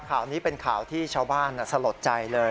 ข่าวนี้เป็นข่าวที่ชาวบ้านสลดใจเลย